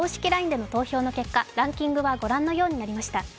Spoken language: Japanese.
ＬＩＮＥでの投票の結果ランキングはご覧のようになりました。